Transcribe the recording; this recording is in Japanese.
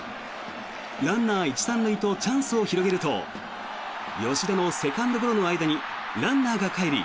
ランナー１・３塁とチャンスを広げると吉田のセカンドゴロの間にランナーがかえり